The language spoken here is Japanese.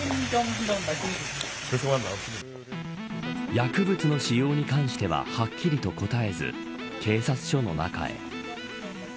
薬物の使用に関してははっきりと答えず警察署の中へ。